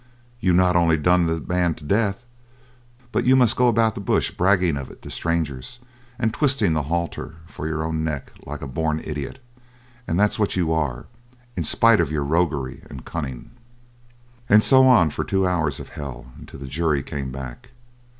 You not only done the man to death, but you must go about the bush bragging of it to strangers, and twisting the halter for your own neck like a born idiot; and that's what you are, in spite of your roguery and cunning." And so on for two hours of hell until the jury came back.